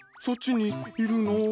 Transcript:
そっちにいるの？